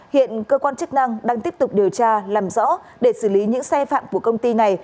hiện cơ quan chức năng đang tiếp tục điều tra làm rõ để xử lý những sai phạm của công ty này